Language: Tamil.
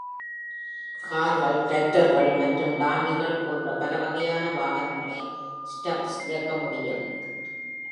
கார்கள், டிராக்டர்கள் மற்றும் டாங்கிகள் போன்ற பலவகையான வாகனங்களை ஸ்டப்ஸ் இயக்க முடியும்.